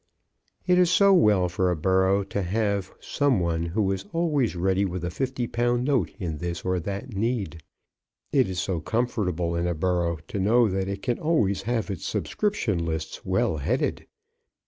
It is so well for a borough to have some one who is always ready with a fifty pound note in this or that need! It is so comfortable in a borough to know that it can always have its subscription lists well headed!